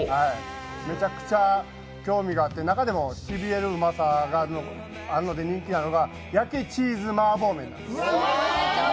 めちゃくちゃ興味があって、中でもしびれるうまさがあって人気あるのが焼きチーズ麻婆麺なんです。